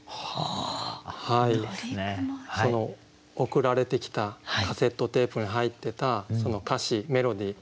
送られてきたカセットテープに入ってたその歌詞メロディー。